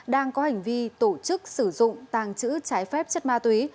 đang có hành vi tổ chức sử dụng tàng trữ trái phép chất ma túy